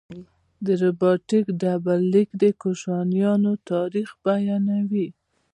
د رباتک ډبرلیک د کوشانیانو تاریخ بیانوي